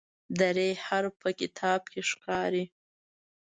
د "ر" حرف په کتاب کې ښکاري.